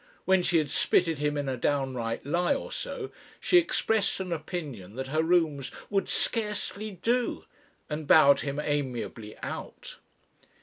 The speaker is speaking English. When she had spitted him in a downright lie or so, she expressed an opinion that her rooms "would scarcely do," and bowed him amiably out.